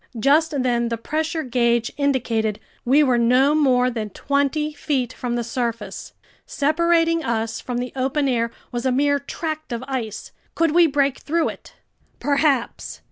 Just then the pressure gauge indicated we were no more than twenty feet from the surface. Separating us from the open air was a mere tract of ice. Could we break through it? Perhaps!